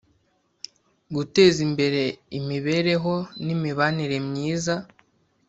guteza imbere imibereho n imibanire myiza